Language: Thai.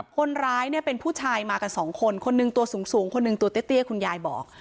คนร้ายเนี่ยเป็นผู้ชายมากันสองคนคนหนึ่งตัวสูงคนหนึ่งตัวเตี้ยคุณยายบอก